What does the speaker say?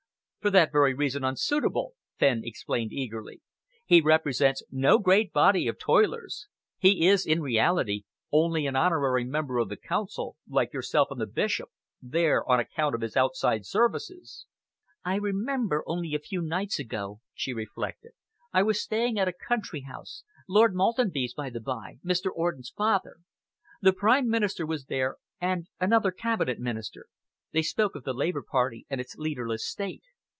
"For that very reason unsuitable," Fenn explained eagerly. "He represents no great body of toilers. He is, in reality, only an honorary member of the Council, like yourself and the Bishop, there on account of his outside services." "I remember, only a few nights ago," she reflected, "I was staying at a country house Lord Maltenby's, by the bye Mr. Orden's father. The Prime Minister was there and another Cabinet Minister. They spoke of the Labour Party and its leaderless state.